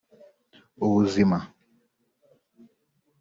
Ubuzima